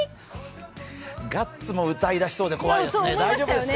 ガッツも歌い出しそうで怖いですね。